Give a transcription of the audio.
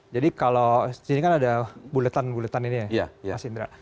jadi kalau di sini kan ada buletan buletan ini ya mas indra